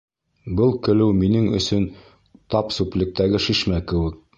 Был көлөү минең өсөн тап сүллектәге шишмә кеүек.